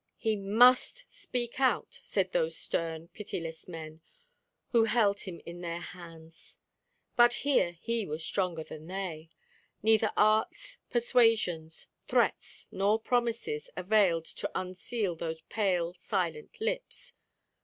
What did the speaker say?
"He must speak out," said those stern, pitiless men, who held him in their hands. But here he was stronger than they. Neither arts, persuasions, threats, nor promises, availed to unseal those pale, silent lips.